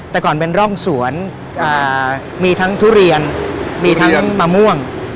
แต่ก่อนเป็นร่องสวนมีทั้งทุเรียนมีทั้งมะม่วง